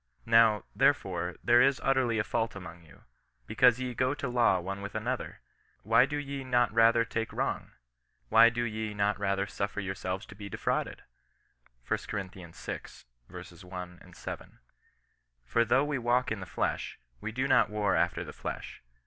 " Now, therefore, there is utterly a fault among you, because ye go to law one with Another; why do ye not rather take wrong? Why do ye not rather suffer yourselves to be defrauded!" 1 Cor. vi. 1, 7. " For though we walk in the flesh, we do not war after the flesh.